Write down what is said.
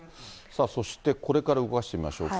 さあ、そしてこれから動かしてみましょうか。